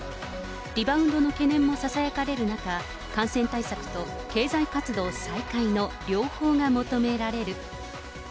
リバウンドの懸念もささやかれる中、感染対策と経済活動再開の両方が求められる。